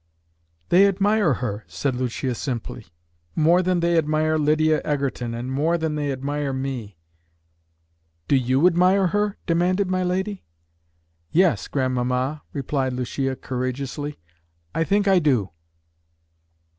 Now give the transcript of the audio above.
"They admire her," said Lucia simply, "more than they admire Lydia Egerton, and more than they admire me." "Do you admire her?" demanded my lady. "Yes, grandmamma," replied Lucia courageously. "I think I do."